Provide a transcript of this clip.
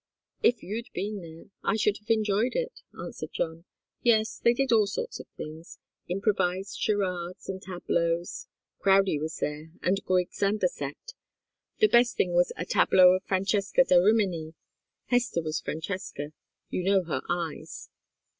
"If you'd been there, I should have enjoyed it," answered John. "Yes, they did all sorts of things improvised charades and tableaux Crowdie was there, and Griggs, and the set. The best thing was a tableau of Francesca da Rimini. Hester was Francesca you know her eyes.